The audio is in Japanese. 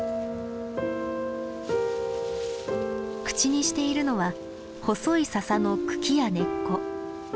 口にしているのは細いササの茎や根っこ。